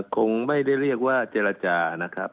คงไม่ได้เรียกว่าเจรจานะครับ